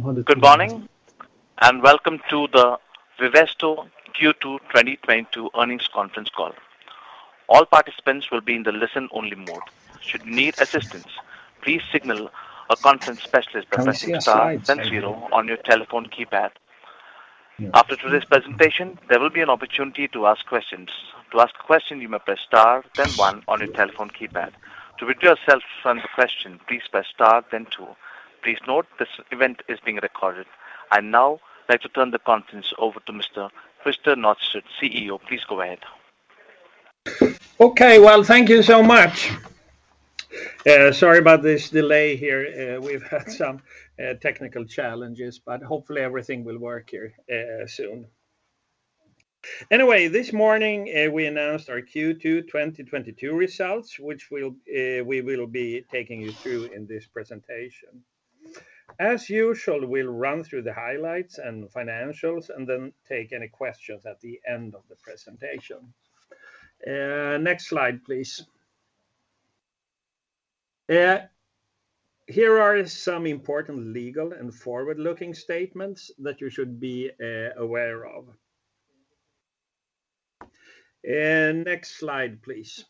Good morning, and welcome to the Vivesto Q2 2022 earnings conference call. All participants will be in the listen only mode. Should you need assistance, please signal a conference specialist by pressing star- Can I see our slides maybe? Zero on your telephone keypad. After today's presentation, there will be an opportunity to ask questions. To ask a question, you may press star then one on your telephone keypad. To withdraw yourself from the question, please press star then two. Please note this event is being recorded. I'd now like to turn the conference over to Mr. Christer Nordström, CEO. Please go ahead. Okay. Well, thank you so much. Sorry about this delay here. We've had some technical challenges, but hopefully everything will work here soon. Anyway, this morning we announced our Q2 2022 results, which we will be taking you through in this presentation. As usual, we'll run through the highlights and financials, and then take any questions at the end of the presentation. Next slide, please. Here are some important legal and forward-looking statements that you should be aware of. Next slide, please.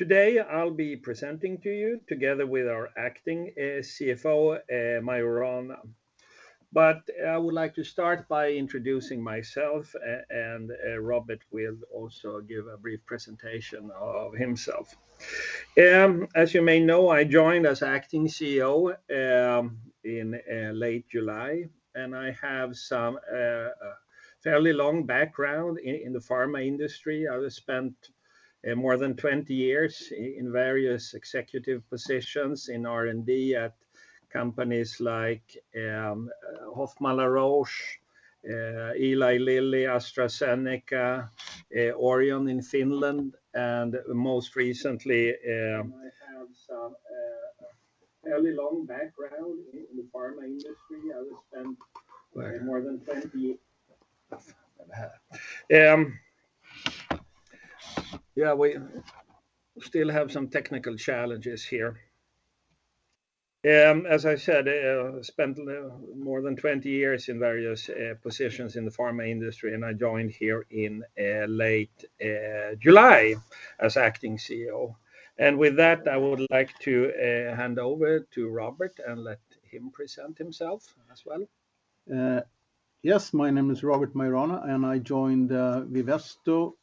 Today, I'll be presenting to you together with our acting CFO, Maiorana. I would like to start by introducing myself, and Robert will also give a brief presentation of himself. As you may know, I joined as acting CEO in late July, and I have some fairly long background in the pharma industry. I have spent more than 20 years in various executive positions in R&D at companies like F. Hoffmann-La Roche AG, Eli Lilly and Company, AstraZeneca PLC, Orion Corporation in Finland, and most recently. With that, I would like to hand over to Robert and let him present himself as well. Yes. My name is Robert Maiorana, and I joined Vivesto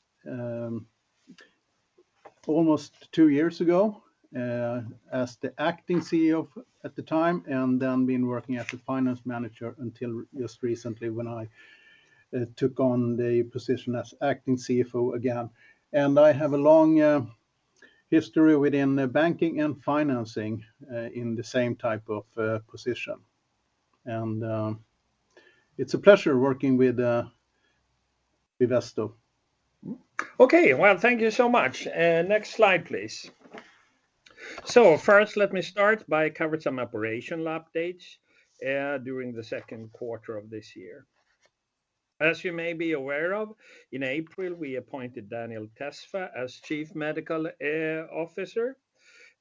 almost two years ago as the acting CEO at the time, and then been working as a finance manager until just recently when I took on the position as acting CFO again. I have a long history within the banking and financing in the same type of position. It's a pleasure working with Vivesto. Okay. Well, thank you so much. Next slide please. First, let me start by covering some operational updates during the second quarter of this year. As you may be aware of, in April, we appointed Daniel Tesfa as Chief Medical Officer.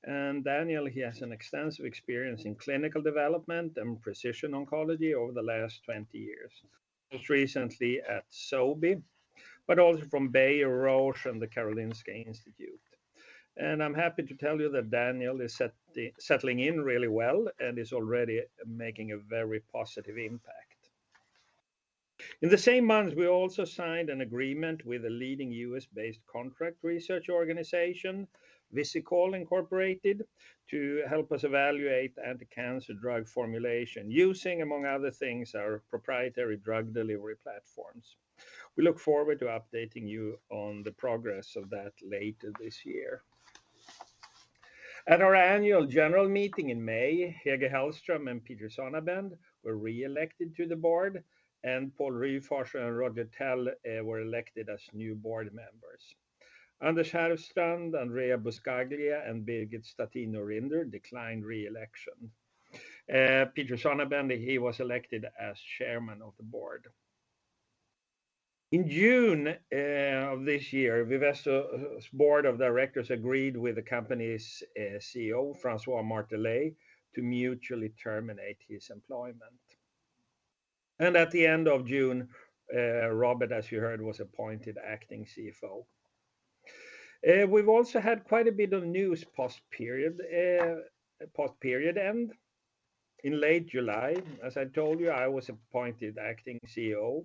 Daniel, he has an extensive experience in clinical development and precision oncology over the last 20 years. Most recently at Sobi, but also from Bayer, Roche, and the Karolinska Institutet. I'm happy to tell you that Daniel is settling in really well and is already making a very positive impact. In the same month, we also signed an agreement with a leading U.S.-based contract research organization, Visikol Incorporated, to help us evaluate anti-cancer drug formulation using, among other things, our proprietary drug delivery platforms. We look forward to updating you on the progress of that later this year. At our annual general meeting in May, Hege Hellstrøm and Peter Zonabend were reelected to the board, and Pål Ryfors and Roger Tell were elected as new board members. Anders Häfstrand, Andrea Buscaglia, and Birgit Stattin Norinder declined reelection. Peter Zonabend was elected as chairman of the board. In June of this year, Vivesto's board of directors agreed with the company's CEO, François Martelet, to mutually terminate his employment. At the end of June, Robert, as you heard, was appointed acting CFO. We've also had quite a bit of news post period, post period end. In late July, as I told you, I was appointed acting CEO.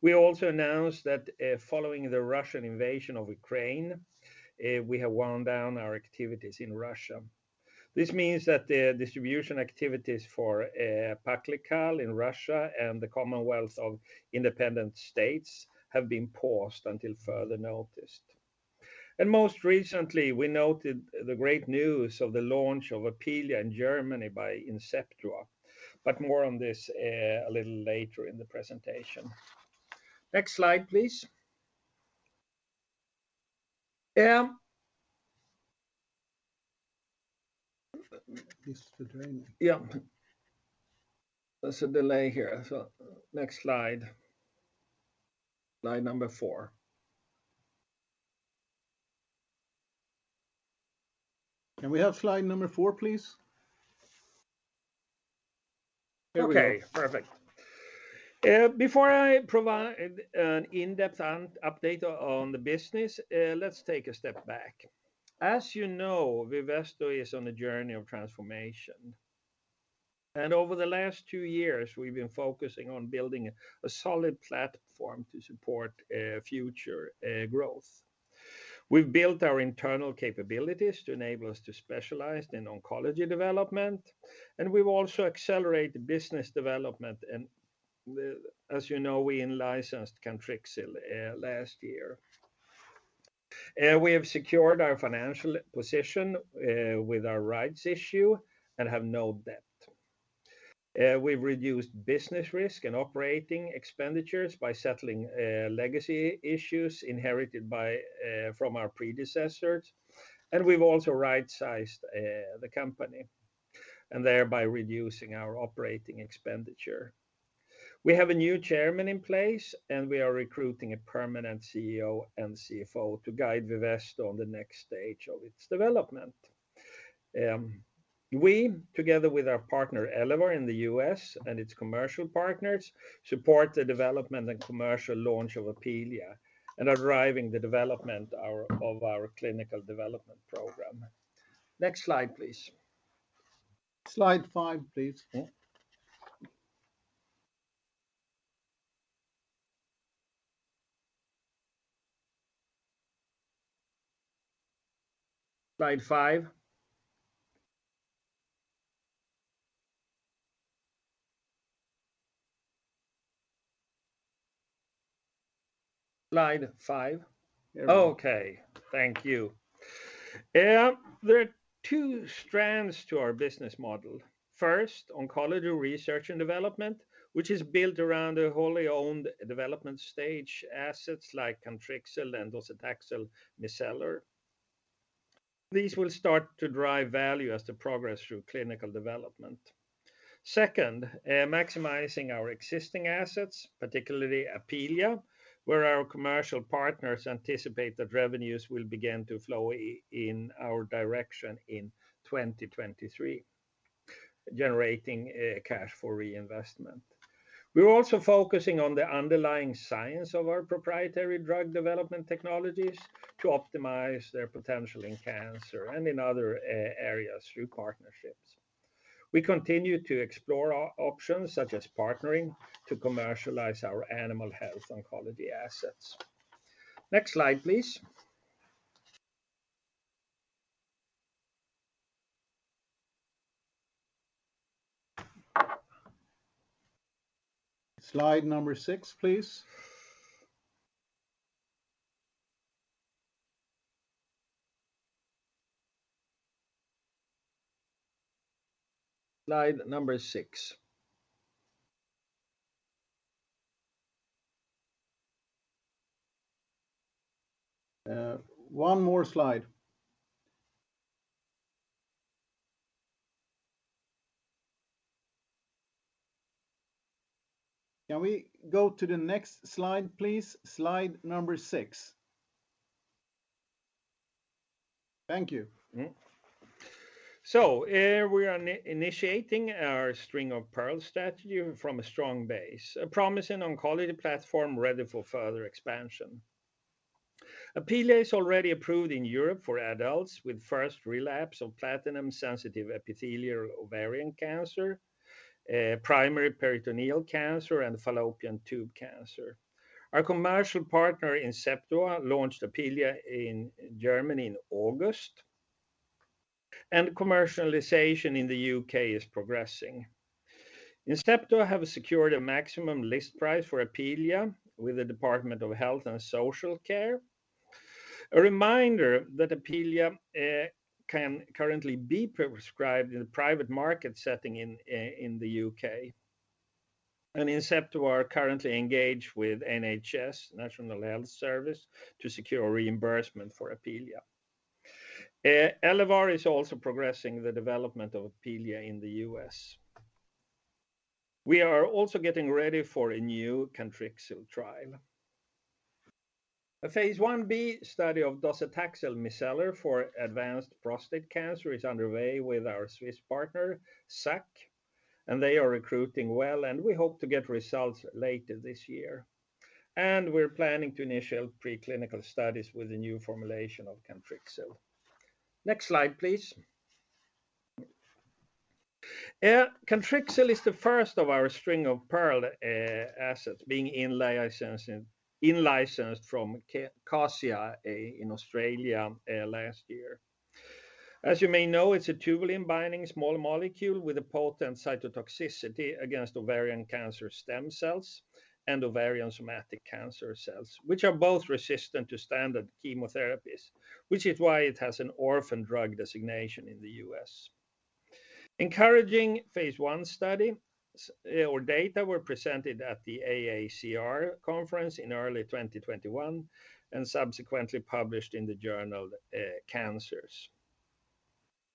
We also announced that, following the Russian invasion of Ukraine, we have wound down our activities in Russia. This means that the distribution activities for Paclical in Russia and the Commonwealth of Independent States have been paused until further notice. Most recently, we noted the great news of the launch of Apealea in Germany by Inceptua, but more on this, a little later in the presentation. Next slide, please. Use the drain. Yeah. There's a delay here. Next slide. Slide number four. Can we have slide number four, please? There we go. Okay, perfect. Before I provide an in-depth update on the business, let's take a step back. As you know, Vivesto is on a journey of transformation. Over the last two years, we've been focusing on building a solid platform to support future growth. We've built our internal capabilities to enable us to specialize in oncology development, and we've also accelerated business development. As you know, we in-licensed Cantrixil last year. We have secured our financial position with our rights issue and have no debt. We've reduced business risk and operating expenditures by settling legacy issues inherited from our predecessors, and we've also right-sized the company, and thereby reducing our operating expenditure. We have a new chairman in place, and we are recruiting a permanent CEO and CFO to guide Vivesto on the next stage of its development. We, together with our partner Elevar in the U.S. and its commercial partners, support the development and commercial launch of Apealea and are driving the development of our clinical development program. Next slide, please. Slide five, please. Yeah. Slide five. Slide five. There we go. Okay. Thank you. Yeah. There are two strands to our business model. First, oncology research and development, which is built around a wholly owned development stage assets like Cantrixil and Docetaxel micellar. These will start to drive value as they progress through clinical development. Second, maximizing our existing assets, particularly Apealea, where our commercial partners anticipate that revenues will begin to flow in our direction in 2023, generating cash for reinvestment. We're also focusing on the underlying science of our proprietary drug development technologies to optimize their potential in cancer and in other areas through partnerships. We continue to explore options, such as partnering to commercialize our animal health oncology assets. Next slide, please. Slide number six, please. Slide number six. One more slide. Can we go to the next slide, please? Slide number six. Thank you. We are initiating our String of Pearls strategy from a strong base, a promising oncology platform ready for further expansion. Apealea is already approved in Europe for adults with first relapse of platinum-sensitive epithelial ovarian cancer, primary peritoneal cancer, and fallopian tube cancer. Our commercial partner, Inceptua, launched Apealea in Germany in August, and commercialization in the U.K. is progressing. Inceptua have secured a maximum list price for Apealea with the Department of Health and Social Care. A reminder that Apealea can currently be prescribed in private market setting in the U.K. Inceptua are currently engaged with NHS, National Health Service, to secure reimbursement for Apealea. Elevar is also progressing the development of Apealea in the US. We are also getting ready for a new Cantrixil trial. A phase I-B study of Docetaxel micellar for advanced prostate cancer is underway with our Swiss partner, SAKK, and they are recruiting well, and we hope to get results later this year. We're planning to initiate preclinical studies with a new formulation of Cantrixil. Next slide, please. Cantrixil is the first of our string of pearls assets in-licensed from Kazia in Australia last year. As you may know, it's a tubulin binding small molecule with a potent cytotoxicity against ovarian cancer stem cells and ovarian somatic cancer cells, which are both resistant to standard chemotherapies, which is why it has an orphan drug designation in the U.S. Encouraging Phase I study or data were presented at the AACR conference in early 2021 and subsequently published in the journal, Cancers.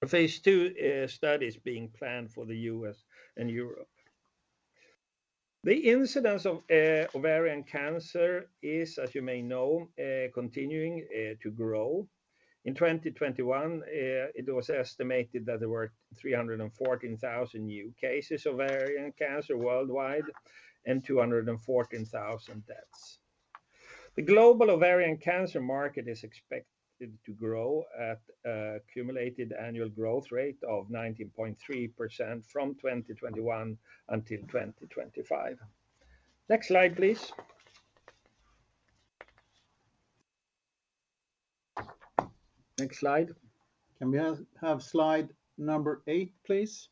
A phase II study is being planned for the U.S. and Europe. The incidence of ovarian cancer is, as you may know, continuing to grow. In 2021, it was estimated that there were 314,000 new cases of ovarian cancer worldwide and 214,000 deaths. The global ovarian cancer market is expected to grow at a compound annual growth rate of 19.3% from 2021 until 2025. Next slide, please. Can we have slide number eight, please?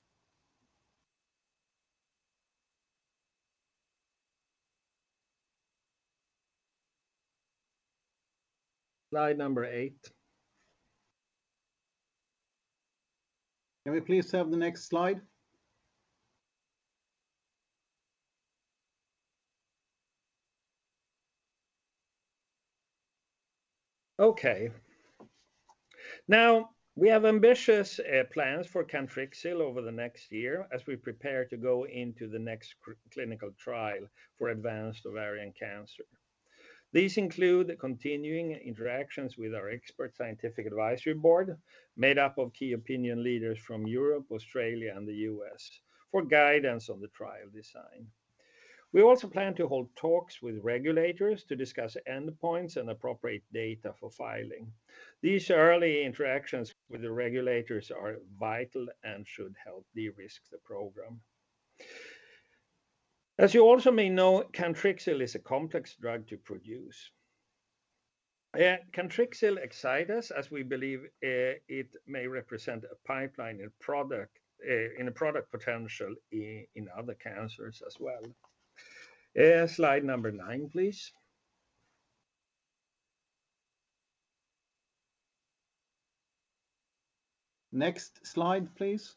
Okay. Now, we have ambitious plans for Cantrixil over the next year as we prepare to go into the next clinical trial for advanced ovarian cancer. These include continuing interactions with our expert scientific advisory board, made up of key opinion leaders from Europe, Australia, and the U.S. for guidance on the trial design. We also plan to hold talks with regulators to discuss endpoints and appropriate data for filing. These early interactions with the regulators are vital and should help de-risk the program. As you also may know, Cantrixil is a complex drug to produce. Yeah, Cantrixil excite us as we believe, it may represent a pipeline and product, and a product potential in other cancers as well. Slide number 9, please. Next slide, please.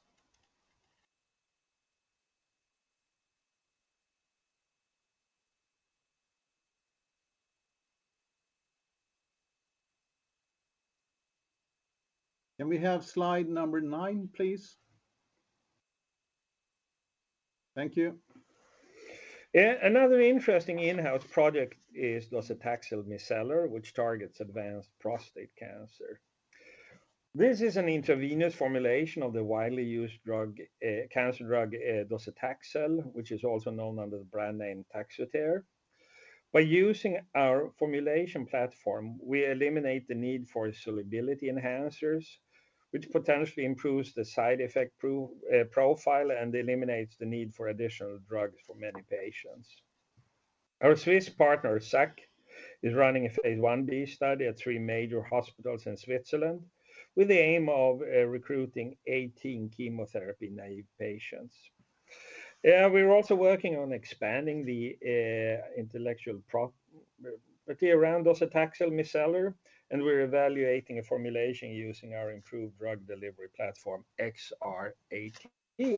Can we have slide number nine, please? Thank you. Another interesting in-house project is Docetaxel micellar, which targets advanced prostate cancer. This is an intravenous formulation of the widely used drug, cancer drug, Docetaxel, which is also known under the brand name Taxotere. By using our formulation platform, we eliminate the need for solubility enhancers, which potentially improves the side effect profile and eliminates the need for additional drugs for many patients. Our Swiss partner, SAKK, is running a Phase I-B study at three major hospitals in Switzerland with the aim of recruiting 18 chemotherapy naive patients. We're also working on expanding the intellectual property around Docetaxel micellar, and we're evaluating a formulation using our improved drug delivery platform, XR-18.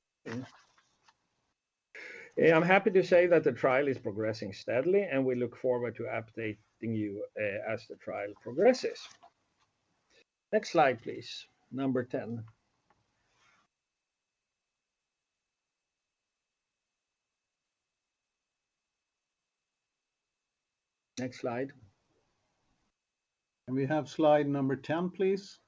I'm happy to say that the trial is progressing steadily, and we look forward to updating you as the trial progresses. Next slide, please. Number 10. Next slide. Can we have slide number 10, please?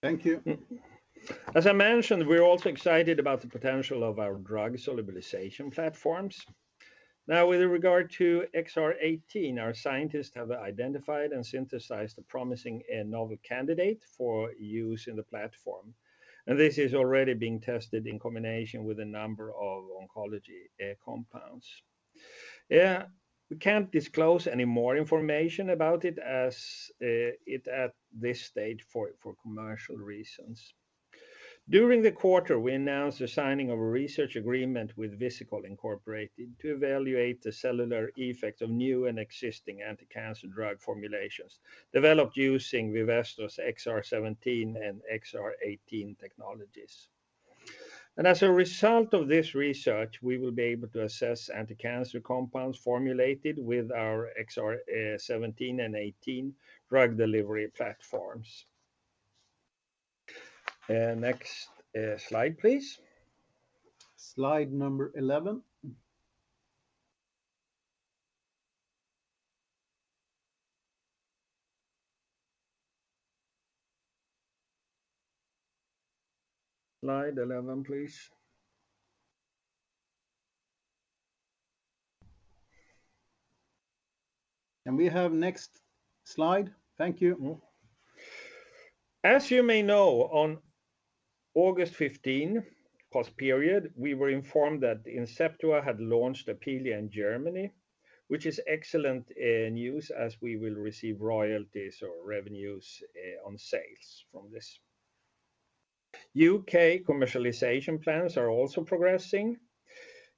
Thank you. As I mentioned, we're also excited about the potential of our drug solubilization platforms. Now, with regard to XR-18, our scientists have identified and synthesized a promising and novel candidate for use in the platform. This is already being tested in combination with a number of oncology compounds. We can't disclose any more information about it as it at this stage for commercial reasons. During the quarter, we announced the signing of a research agreement with Visikol Incorporated to evaluate the cellular effects of new and existing anti-cancer drug formulations developed using Vivesto's XR17 and XR18 technologies. As a result of this research, we will be able to assess anti-cancer compounds formulated with our XR seventeen and eighteen drug delivery platforms. Next slide, please. Slide number 11. Can we have next slide? Thank you. As you may know, on August 15 post period, we were informed that Inceptua had launched Apealea in Germany, which is excellent news as we will receive royalties or revenues on sales from this. U.K. commercialization plans are also progressing.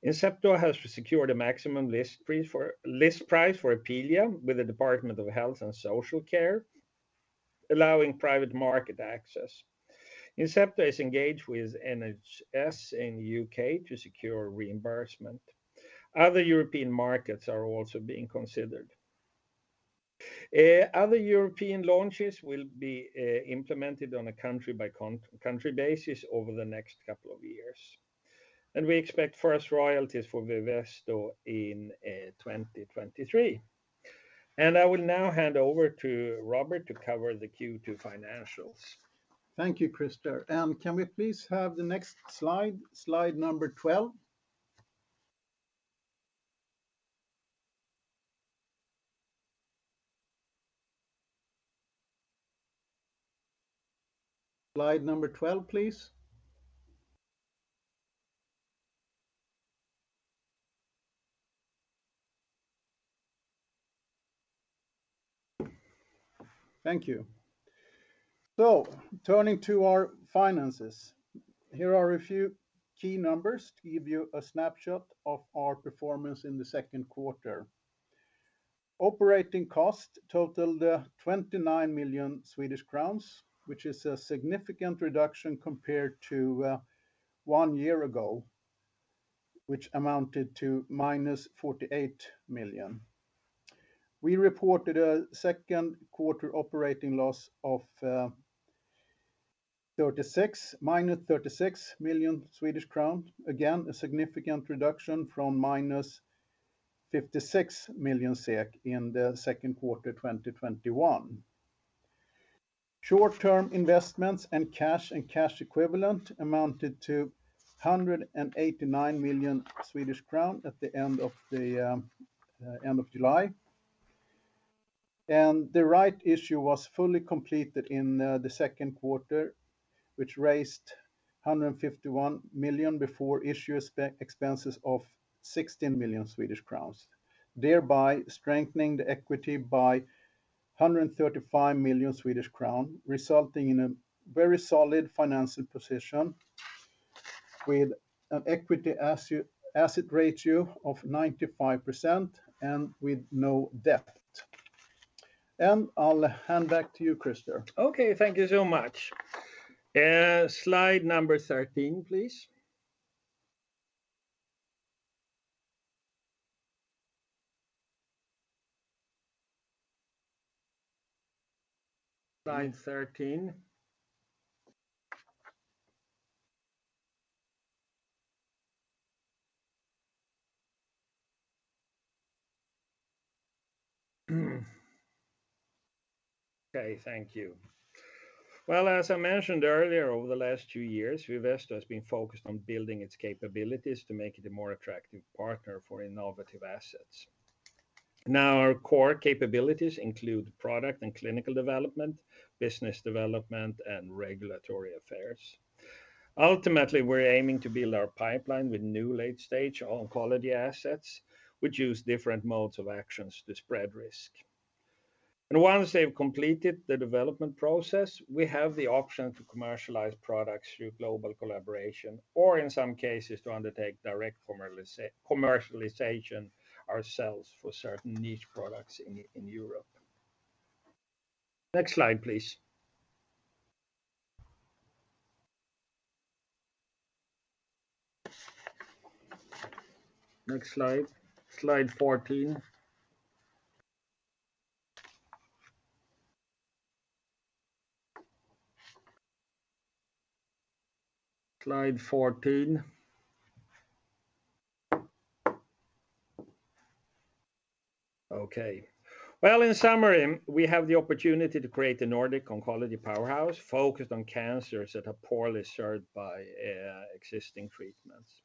Inceptua has secured a maximum list price for Apealea with the Department of Health and Social Care. Allowing private market access. Inceptua is engaged with NHS in the U.K. to secure reimbursement. Other European markets are also being considered. Other European launches will be implemented on a country by country basis over the next couple of years. We expect first royalties for Vivesto in 2023. I will now hand over to Robert to cover the Q2 financials. Thank you, Christer. Can we please have the next slide number 12. Slide number 12, please. Thank you. Turning to our finances, here are a few key numbers to give you a snapshot of our performance in the second quarter. Operating cost totaled 29 million Swedish crowns, which is a significant reduction compared to one year ago, which amounted to -48 million. We reported a second quarter operating loss of -36 million Swedish crown. Again, a significant reduction from -56 million SEK in the second quarter 2021. Short-term investments and cash and cash equivalent amounted to 189 million Swedish crown at the end of July. The rights issue was fully completed in the second quarter, which raised 151 million before issue expenses of 16 million Swedish crowns, thereby strengthening the equity by 135 million Swedish crown, resulting in a very solid financial position with an equity asset ratio of 95% and with no debt. I'll hand back to you, Christer. Okay. Thank you so much. Slide number 13, please. Slide 13. Okay. Thank you. Well, as I mentioned earlier, over the last two years, Vivesto has been focused on building its capabilities to make it a more attractive partner for innovative assets. Now, our core capabilities include product and clinical development, business development, and regulatory affairs. Ultimately, we're aiming to build our pipeline with new late-stage oncology assets, which use different modes of actions to spread risk. Once they've completed the development process, we have the option to commercialize products through global collaboration, or in some cases, to undertake direct commercialization ourselves for certain niche products in Europe. Next slide, please. Slide fourteen. Okay. Well, in summary, we have the opportunity to create a Nordic oncology powerhouse focused on cancers that are poorly served by existing treatments.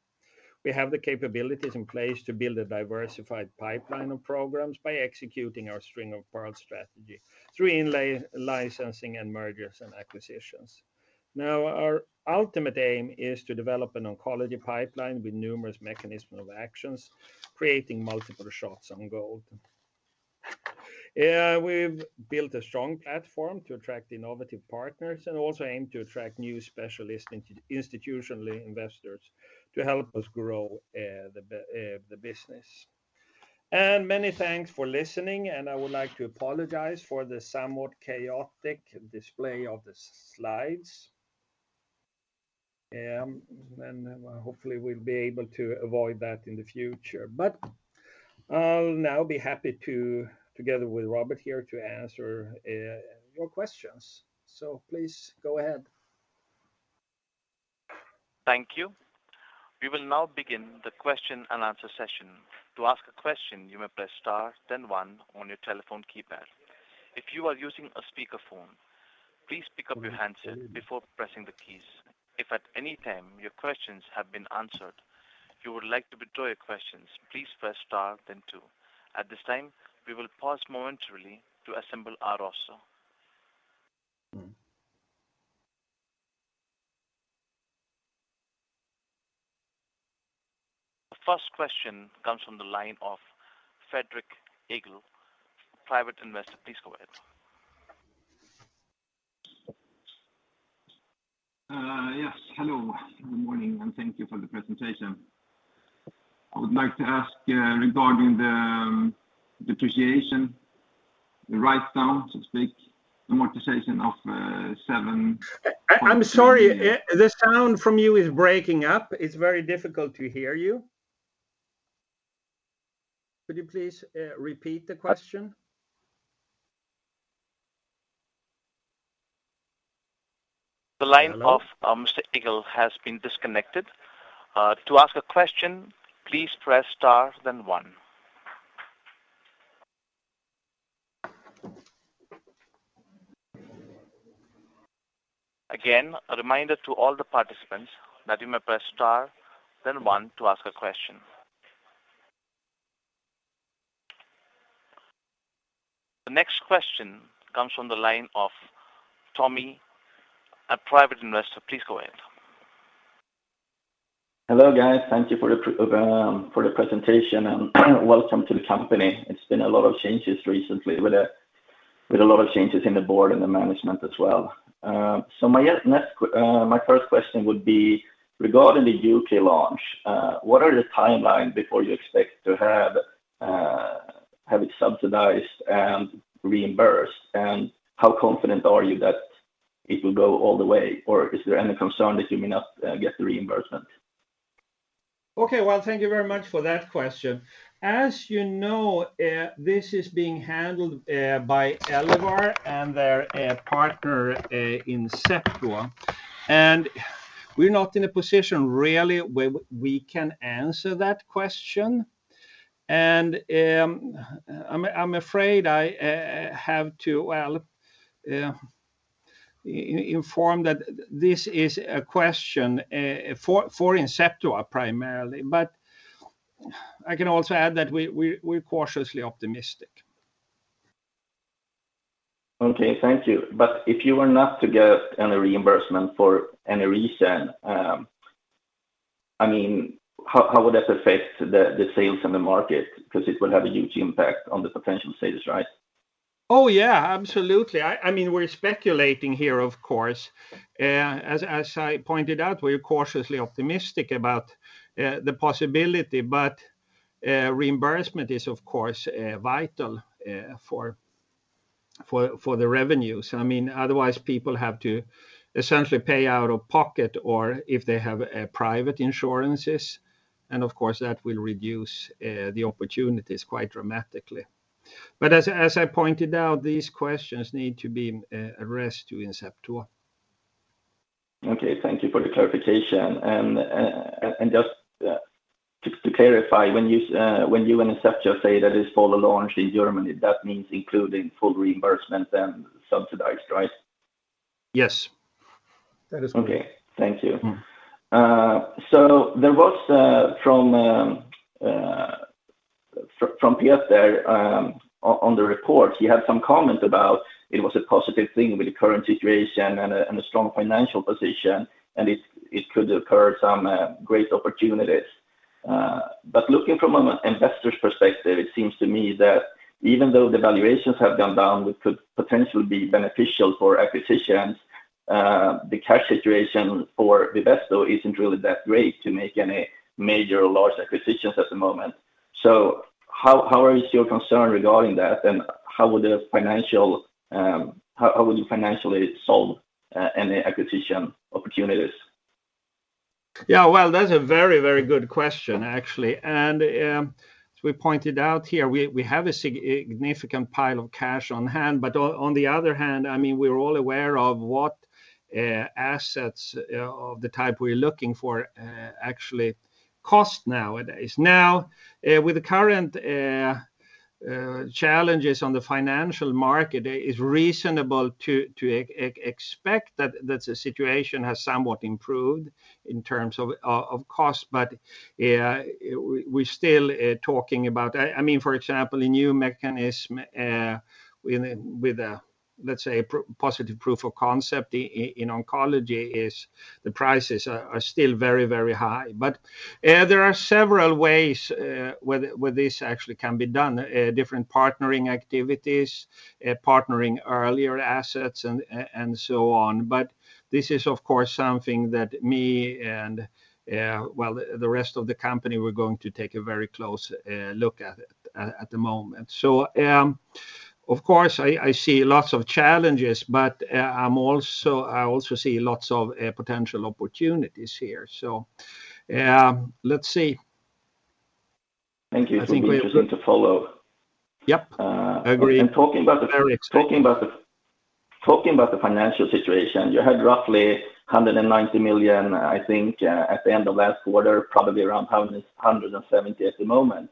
We have the capabilities in place to build a diversified pipeline of programs by executing our String of Pearls strategy through in-licensing and mergers and acquisitions. Now, our ultimate aim is to develop an oncology pipeline with numerous mechanisms of action, creating multiple shots on goal. We've built a strong platform to attract innovative partners and also aim to attract new specialist institutional investors to help us grow the business. Many thanks for listening, and I would like to apologize for the somewhat chaotic display of the slides. Hopefully we'll be able to avoid that in the future. I'll now be happy to, together with Robert here, to answer your questions. Please go ahead. Thank you. We will now begin the question and answer session. To ask a question, you may press star then one on your telephone keypad. If you are using a speakerphone, please pick up your handset before pressing the keys. If at any time your questions have been answered, you would like to withdraw your questions, please press star then two. At this time, we will pause momentarily to assemble our roster. Mm-hmm. The first question comes from the line of Fredrik Järrsten, private investor. Please go ahead. Yes. Hello. Good morning and thank you for the presentation. I would like to ask regarding the depreciation, the write down, so to speak, amortization of 7- I'm sorry. The sound from you is breaking up. It's very difficult to hear you. Could you please repeat the question? The line of Mr. Järrsten has been disconnected. To ask a question, please press star then one. Again, a reminder to all the participants that you may press star then one to ask a question. The next question comes from the line of Tommy, a private investor. Please go ahead. Hello, guys. Thank you for the presentation and welcome to the company. It's been a lot of changes recently with a lot of changes in the board and the management as well. My first question would be regarding the U.K. launch, what are the timelines before you expect to have it subsidized and reimbursed? And how confident are you that it will go all the way? Or is there any concern that you may not get the reimbursement? Okay. Well, thank you very much for that question. As you know, this is being handled by Elevar and their partner Inceptua. We're not in a position really where we can answer that question. I'm afraid I have to, well, inform that this is a question for Inceptua primarily. I can also add that we're cautiously optimistic. Okay, thank you. If you were not to get any reimbursement for any reason, I mean, how would that affect the sales in the market? 'Cause it will have a huge impact on the potential sales, right? Oh, yeah, absolutely. I mean, we're speculating here, of course. As I pointed out, we're cautiously optimistic about the possibility. Reimbursement is, of course, vital for the revenues. I mean, otherwise people have to essentially pay out of pocket or if they have private insurances. Of course, that will reduce the opportunities quite dramatically. As I pointed out, these questions need to be addressed to Inceptua. Okay, thank you for the clarification. Just to clarify, when you and Inceptua say that it's full launch in Germany, that means including full reimbursement and subsidized, right? Yes. That is correct. Okay. Thank you. Mm-hmm. There was from Peter Zonabend there on the report, he had some comment about it was a positive thing with the current situation and a strong financial position, and it could occur some great opportunities. Looking from an investor's perspective, it seems to me that even though the valuations have gone down, which could potentially be beneficial for acquisitions, the cash situation for Vivesto isn't really that great to make any major large acquisitions at the moment. How is your concern regarding that, and how would you financially solve any acquisition opportunities? Yeah. Well, that's a very, very good question actually. As we pointed out here, we have a significant pile of cash on hand. On the other hand, I mean, we're all aware of what assets of the type we're looking for actually cost nowadays. Now, with the current challenges on the financial market, it is reasonable to expect that the situation has somewhat improved in terms of cost. We're still talking about, I mean, for example, a new mechanism with a, let's say, positive proof of concept in oncology these prices are still very, very high. There are several ways where this actually can be done, different partnering activities, partnering earlier assets and so on. This is, of course, something that me and well, the rest of the company, we're going to take a very close look at it at the moment. Of course, I see lots of challenges, but I also see lots of potential opportunities here. Let's see. Thank you. I think we It will be interesting to follow. Yep. Uh- I agree.... and talking about the- Very exciting. Talking about the financial situation, you had roughly 190 million, I think, at the end of last quarter, probably around 170 at the moment.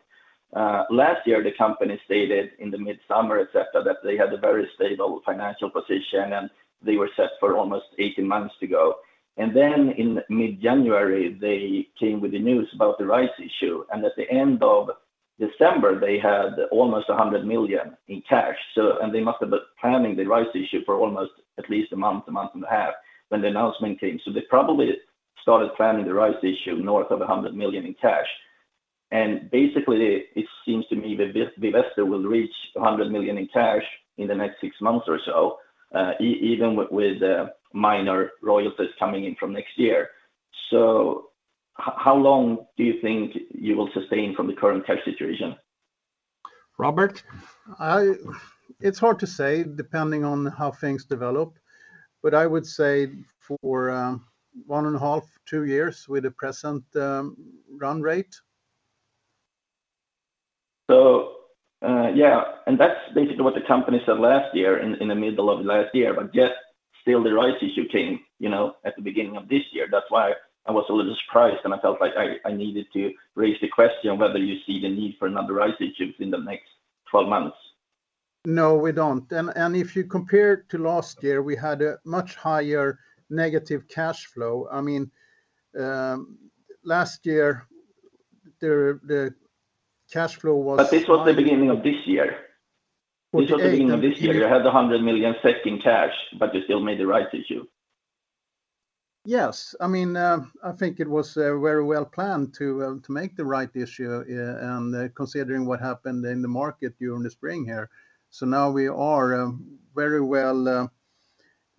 Last year, the company stated in the mid-summer, et cetera, that they had a very stable financial position, and they were set for almost 18 months to go. Then in mid-January, they came with the news about the rights issue. At the end of December, they had almost 100 million in cash. They must have been planning the rights issue for almost at least a month, a month and a half when the announcement came. They probably started planning the rights issue north of 100 million in cash. Basically it seems to me that Vivesto will reach 100 million in cash in the next six months or so, even with minor royalties coming in from next year. How long do you think you will sustain from the current cash situation? Robert? It's hard to say depending on how things develop. I would say for 1.5-2 years with the present run rate. Yeah. That's basically what the company said last year, in the middle of last year. Yet still the rights issue came, you know, at the beginning of this year. That's why I was a little surprised, and I felt like I needed to raise the question whether you see the need for another rights issue in the next 12 months. No, we don't. If you compare to last year, we had a much higher negative cash flow. I mean, last year the cash flow was. This was the beginning of this year. You had the 100 million set in cash, but you still made the rights issue. Yes. I mean, I think it was very well planned to make the right issue, considering what happened in the market during the spring here. Now we are very well,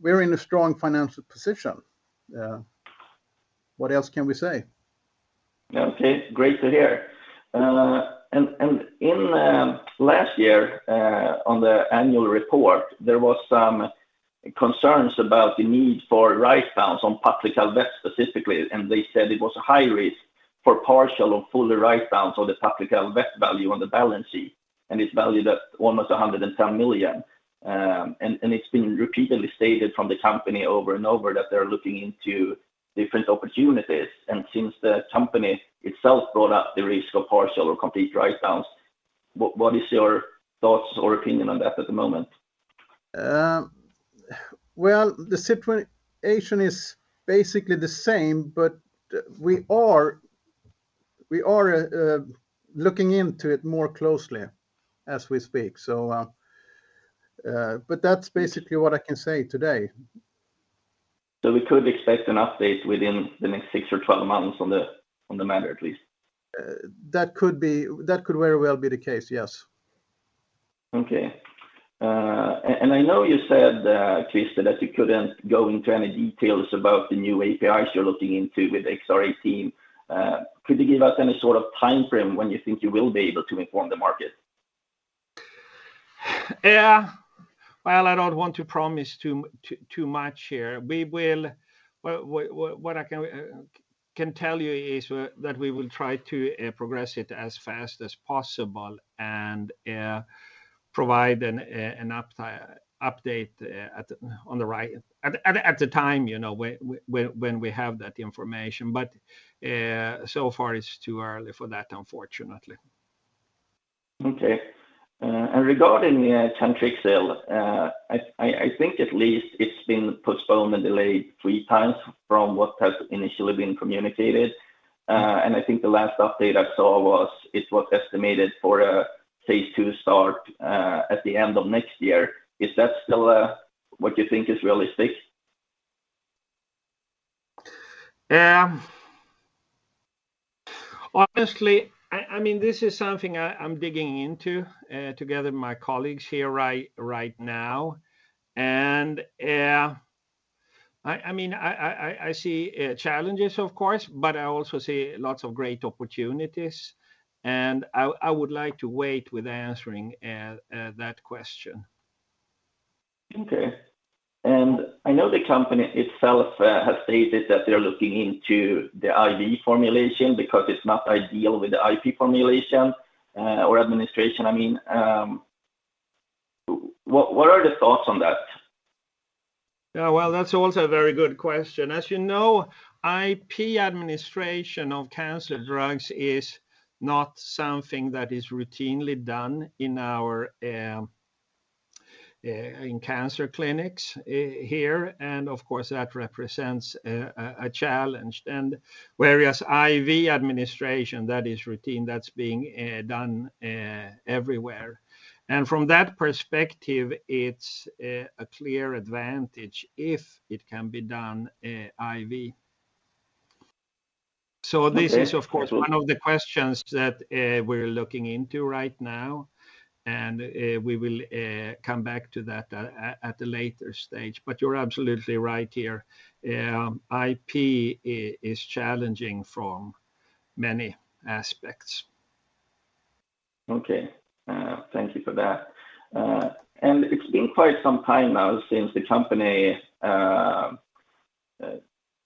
we're in a strong financial position. What else can we say? Okay. Great to hear. In last year, on the annual report, there was some concerns about the need for write-downs on PubInvest specifically, and they said it was a high risk for partial or full write-down on the PubInvest value on the balance sheet, and it's valued at almost 110 million. It's been repeatedly stated from the company over and over that they're looking into different opportunities. Since the company itself brought up the risk of partial or complete write-downs, what is your thoughts or opinion on that at the moment? Well, the situation is basically the same, but we are looking into it more closely as we speak. That's basically what I can say today. We could expect an update within the next 6 or 12 months on the matter at least? That could very well be the case, yes. Okay. I know you said, Christer, that you couldn't go into any details about the new APIs you're looking into with XR-18. Could you give us any sort of timeframe when you think you will be able to inform the market? Yeah. Well, I don't want to promise too much here. We will try to progress it as fast as possible and provide an update at the right time, you know, when we have that information. So far it's too early for that, unfortunately. Okay. Regarding the Cantrixil sale, I think at least it's been postponed and delayed three times from what has initially been communicated. I think the last update I saw was it was estimated for a phase II start at the end of next year. Is that still what you think is realistic? Yeah. Honestly, I mean, this is something I'm digging into together with my colleagues here right now. I mean, I see challenges of course, but I also see lots of great opportunities, and I would like to wait with answering that question. Okay. I know the company itself has stated that they're looking into the IV formulation because it's not ideal with the IP formulation or administration I mean. What are the thoughts on that? Yeah. Well, that's also a very good question. As you know, IP administration of cancer drugs is not something that is routinely done in our cancer clinics here, and of course that represents a challenge. Whereas IV administration, that is routine, that's being done everywhere. From that perspective, it's a clear advantage if it can be done IV. Okay. This is of course one of the questions that we're looking into right now, and we will come back to that at a later stage. You're absolutely right here. IP is challenging from many aspects. Okay. Thank you for that. It's been quite some time now since the company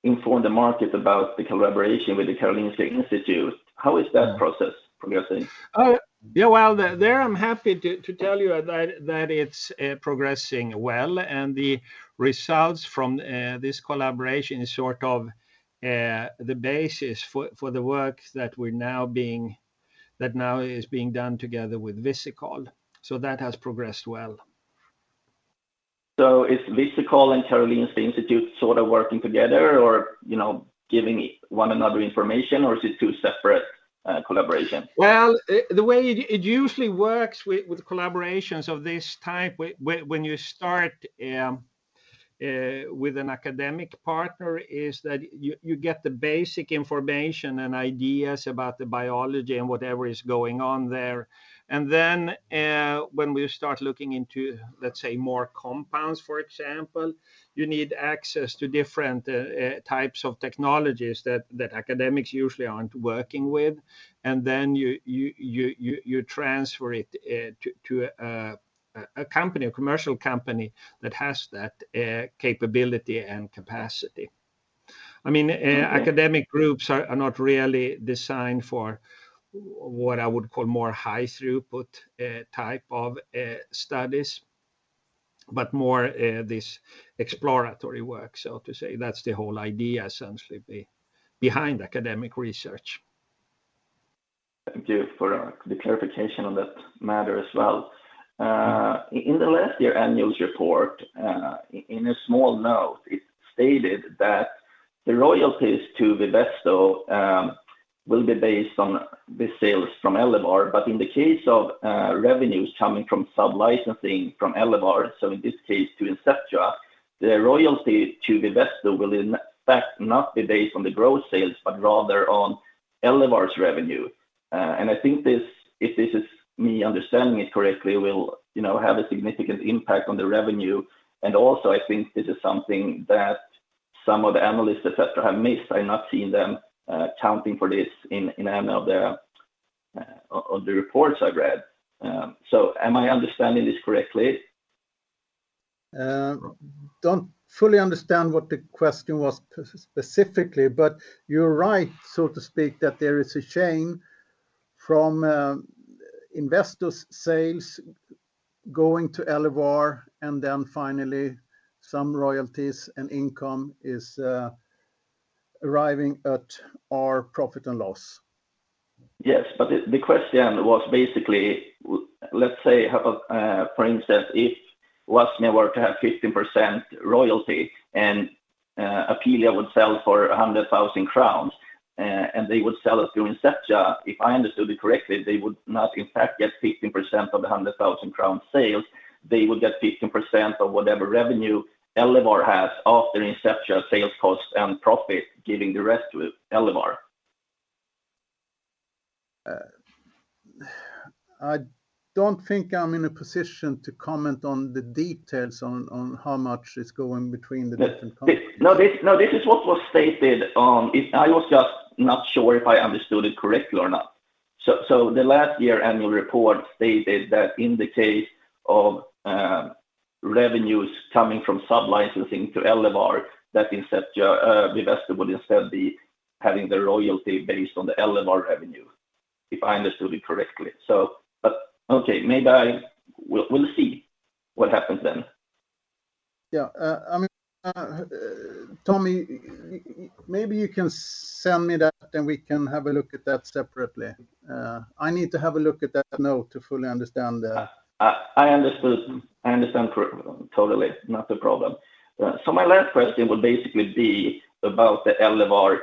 informed the market about the collaboration with the Karolinska Institutet. How is that process progressing? Oh, yeah. Well, there I'm happy to tell you that it's progressing well, and the results from this collaboration is sort of the basis for the work that now is being done together with Visikol. That has progressed well. Is Visikol and Karolinska Institutet sort of working together or, you know, giving one another information, or is it two separate collaborations? Well, the way it usually works with collaborations of this type, when you start with an academic partner is that you get the basic information and ideas about the biology and whatever is going on there. When we start looking into, let's say, more compounds, for example, you need access to different types of technologies that academics usually aren't working with. You transfer it to a company, a commercial company that has that capability and capacity. I mean. Okay Academic groups are not really designed for what I would call more high throughput type of studies, but more this exploratory work, so to say. That's the whole idea essentially behind academic research. Thank you for the clarification on that matter as well. In the last year's annual report, in a small note, it stated that the royalties to Vivesto will be based on the sales from Elevar. In the case of revenues coming from sub-licensing from Elevar, so in this case to Inceptua, the royalty to Vivesto will in fact not be based on the gross sales, but rather on Elevar's revenue. I think this, if this is me understanding it correctly, will, you know, have a significant impact on the revenue. I think this is something that some of the analysts et cetera have missed. I've not seen them accounting for this in any of the reports I've read. Am I understanding this correctly? Don't fully understand what the question was specifically, but you're right, so to speak, that there is a chain from Vivesto's sales going to Elevar, and then finally some royalties and income is arriving at our profit and loss. Yes. The question was basically let's say, for instance, if Vivesto to have 15% royalty and, Apealea would sell for 100,000 crowns, and they would sell it to Inceptua. If I understood it correctly, they would not in fact get 15% of the 100,000 crown sales. They would get 15% of whatever revenue Elevar has after Inceptua sales cost and profit, giving the rest to Elevar. I don't think I'm in a position to comment on the details on how much is going between the different companies. No, this is what was stated. I was just not sure if I understood it correctly or not. The last year annual report stated that in the case of revenues coming from sub-licensing to Elevar, that Inceptua, Vivesto would instead be having the royalty based on the Elevar revenue, if I understood it correctly. Okay, we'll see what happens then. Yeah. I mean, Tommy, maybe you can send me that, then we can have a look at that separately. I need to have a look at that note to fully understand the. I understood. I understand totally. Not a problem. So my last question will basically be about the Elevar,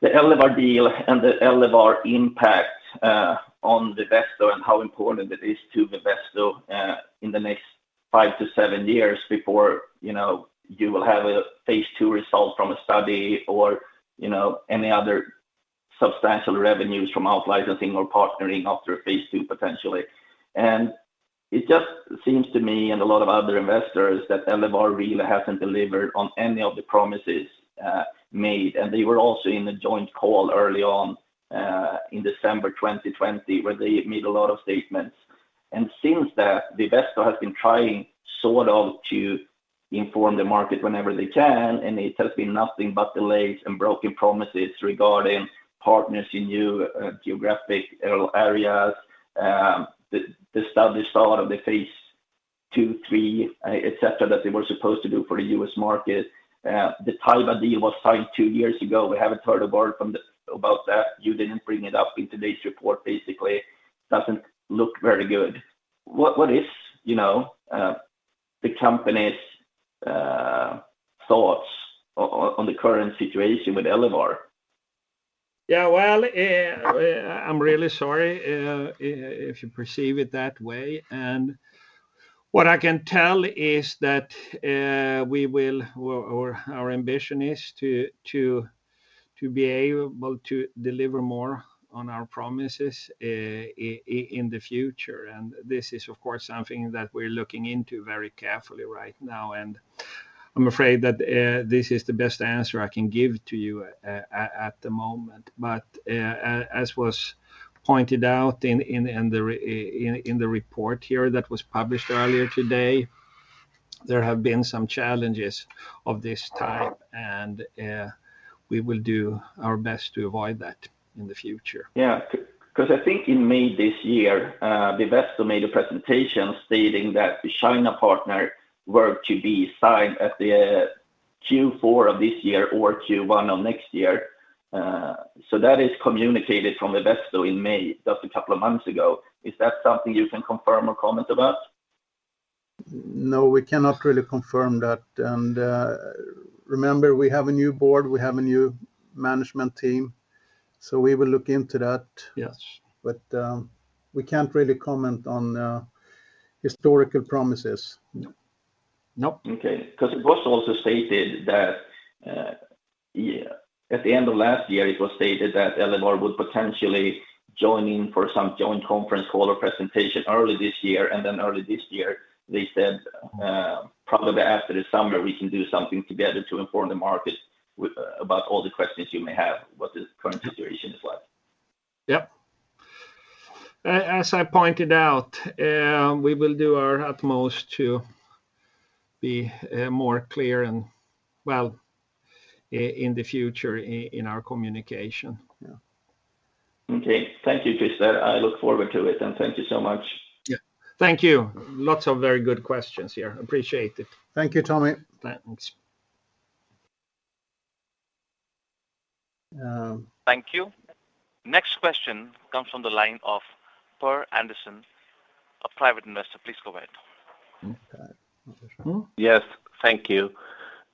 the Elevar deal and the Elevar impact, on Vivesto and how important it is to Vivesto, in the next 5 to 7 years before, you know, you will have a phase II result from a study or, you know, any other substantial revenues from out-licensing or partnering after a phase II potentially. It just seems to me and a lot of other investors that Elevar really hasn't delivered on any of the promises made. They were also in a joint call early on, in December 2020, where they made a lot of statements. Since that, Vivesto has been trying sort of to inform the market whenever they can, and it has been nothing but delays and broken promises regarding partners in new geographic areas. The study start of the phase II/ phase III, et cetera, that they were supposed to do for the U.S. market. The Zhida deal was signed two years ago. We haven't heard a word about that. You didn't bring it up in today's report, basically. Doesn't look very good. What is, you know, the company's thoughts on the current situation with Elevar? Well, I'm really sorry if you perceive it that way. What I can tell is that we will or our ambition is to be able to deliver more on our promises in the future. This is of course something that we're looking into very carefully right now. I'm afraid that this is the best answer I can give to you at the moment. As was pointed out in the report here that was published earlier today, there have been some challenges of this type, and we will do our best to avoid that in the future. Yeah. 'Cause I think in May this year, Vivesto made a presentation stating that the China partner were to be signed at the Q4 of this year or Q1 of next year. That is communicated from Vivesto in May, just a couple of months ago. Is that something you can confirm or comment about? No, we cannot really confirm that. Remember, we have a new board, we have a new management team. We will look into that. Yes. We can't really comment on historical promises. No. Okay. 'Cause it was also stated that, at the end of last year it was stated that Elevar would potentially join in for some joint conference call or presentation early this year, and then early this year they said, probably after the summer we can do something together to inform the market with, about all the questions you may have, what the current situation is like. Yep. As I pointed out, we will do our utmost to be more clear and well in the future in our communication. Yeah. Okay. Thank you, Christer. I look forward to it, and thank you so much. Yeah. Thank you. Lots of very good questions here. Appreciate it. Thank you, Tommy. Thanks. Thank you. Next question comes from the line of Per Andersson, a private investor. Please go ahead. Okay. Mm-hmm. Yes. Thank you.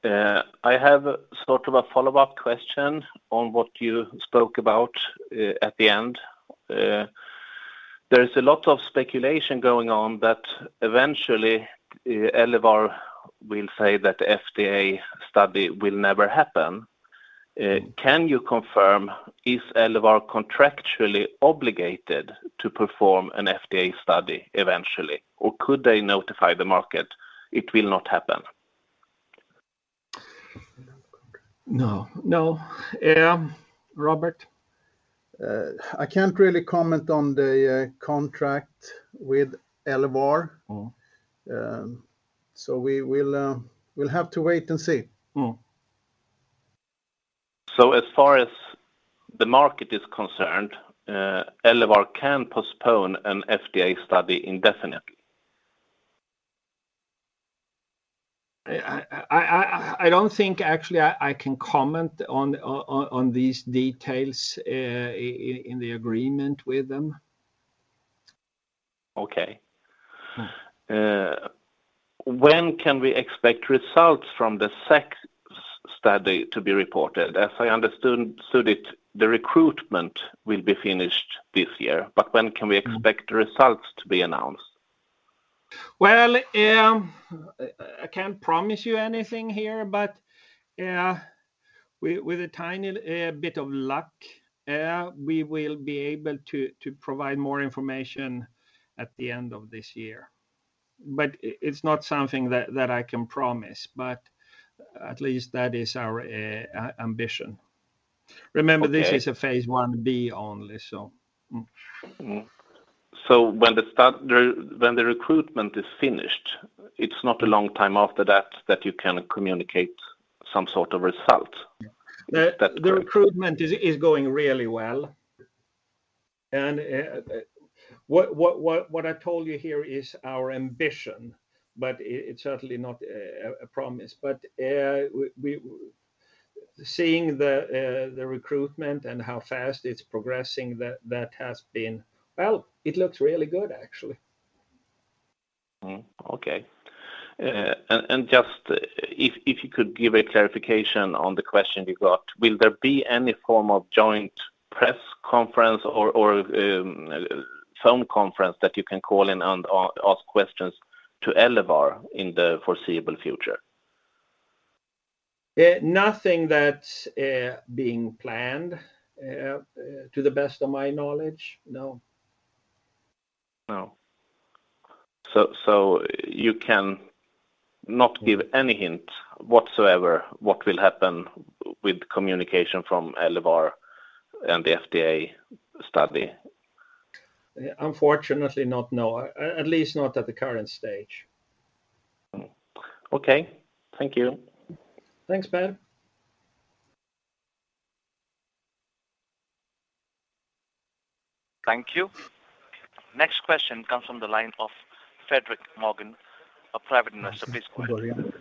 I have sort of a follow-up question on what you spoke about at the end. There's a lot of speculation going on that eventually Elevar will say that the FDA study will never happen. Can you confirm, is Elevar contractually obligated to perform an FDA study eventually or could they notify the market it will not happen? No, Robert? I can't really comment on the contract with Elevar. Mm-hmm. We'll have to wait and see. As far as the market is concerned, Elevar can postpone an FDA study indefinitely? I don't think actually I can comment on these details in the agreement with them. Okay. When can we expect results from the SAKK study to be reported? As I understood it, the recruitment will be finished this year. When can we expect results to be announced? Well, I can't promise you anything here, but with a tiny bit of luck, we will be able to provide more information at the end of this year. It's not something that I can promise, but at least that is our ambition. Okay. Remember, this is a phase I-A only, so. When the recruitment is finished, it's not a long time after that you can communicate some sort of result that. The recruitment is going really well. What I told you here is our ambition, but it's certainly not a promise. Seeing the recruitment and how fast it's progressing, that has been, well, it looks really good actually. Mm-hmm. Okay. Just if you could give a clarification on the question you got, will there be any form of joint press conference or phone conference that you can call in and ask questions to Elevar in the foreseeable future? Nothing that's being planned, to the best of my knowledge, no. No. You can not give any hint whatsoever what will happen with communication from Elevar and the FDA study? Unfortunately not, no. At least not at the current stage. Okay. Thank you. Thanks, Per. Thank you. Next question comes from the line of Fredrik Järrsten, a private investor. Please go ahead.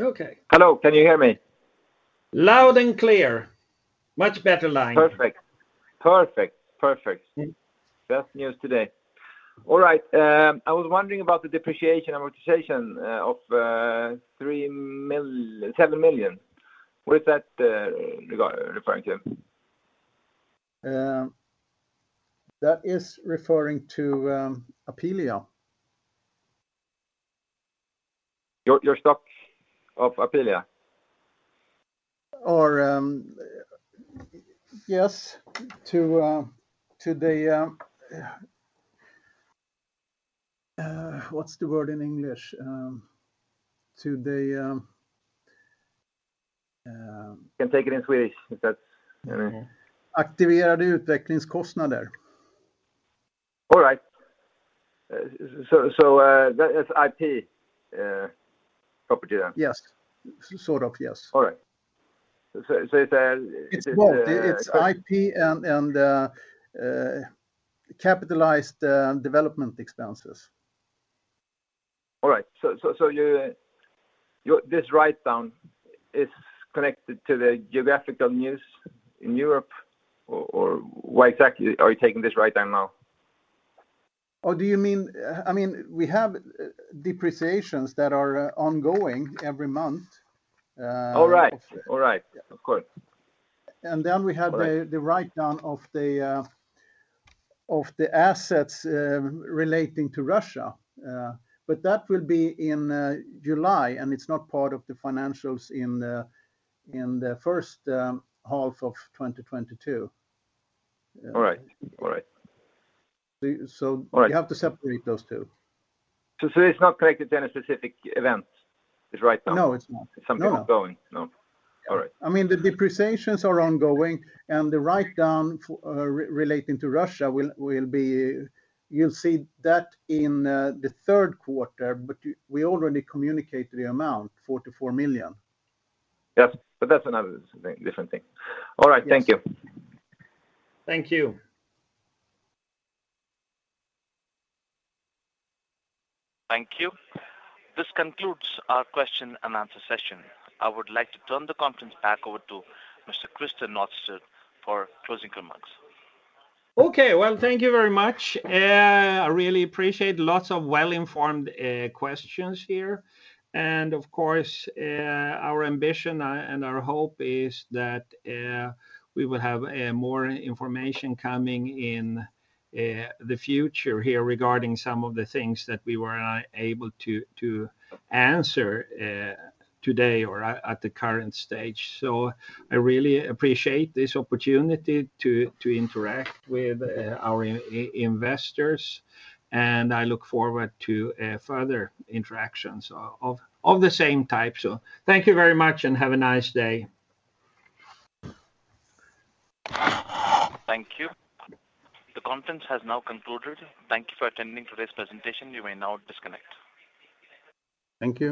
Okay. Hello. Can you hear me? Loud and clear. Much better line. Perfect. Best news today. All right. I was wondering about the depreciation and amortization of 7 million. What is that referring to? That is referring to Apealea. Your stock of Apealea? Yes. To the, what's the word in English? To the You can take it in Swedish. All right. That is IP property then? Yes. Sort of, yes. All right. It's It's both. It's IP and capitalized development expenses. All right. This write-down is connected to the geopolitical news in Europe, or why exactly are you taking this write-down now? Oh, do you mean I mean, we have depreciations that are ongoing every month. Oh, right. Oh, right. Yeah. Of course. And then we have the- All right. The write-down of the assets relating to Russia. That will be in July, and it's not part of the financials in the first half of 2022. All right. The... So- All right. You have to separate those two. It's not connected to any specific event, this write-down? No, it's not. It's something ongoing. No. No. All right. I mean, the depreciations are ongoing, and the write-down relating to Russia will be. You'll see that in the third quarter, but we already communicated the amount, 44 million. Yep, that's another different thing. Yes. All right. Thank you. Thank you. Thank you. This concludes our question and answer session. I would like to turn the conference back over to Mr. Christer Nordström for closing comments. Okay, well, thank you very much. I really appreciate lots of well-informed questions here. Of course, our ambition and our hope is that we will have more information coming in the future here regarding some of the things that we were not able to answer today or at the current stage. I really appreciate this opportunity to interact with our investors, and I look forward to further interactions of the same type. Thank you very much, and have a nice day. Thank you. The conference has now concluded. Thank you for attending today's presentation. You may now disconnect. Thank you.